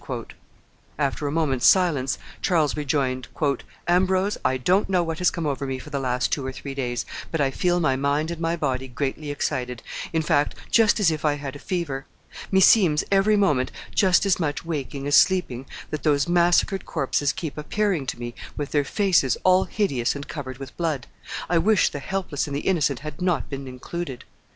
After a moment's silence Charles rejoined, "Ambrose, I don't know what has come over me for the last two or three days, but I feel my mind and my body greatly excited, in fact, just as if I had a fever; meseems every moment, just as much waking as sleeping, that those massacred corpses keep appearing to me with their faces all hideous and covered with blood. I wish the helpless and the innocent had not been included."